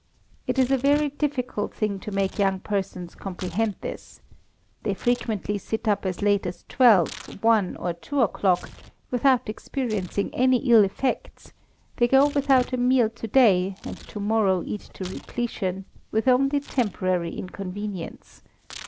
It is a very difficult thing to make young persons comprehend this. They frequently sit up as late as twelve, one, or two o'clock, without experiencing any ill effects; they go without a meal to day, and to morrow eat to repletion, with only temporary inconvenience.